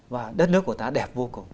và đất nước của ta đẹp vô cùng